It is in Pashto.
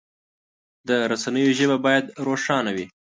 د رسنیو ژبه باید روښانه وي.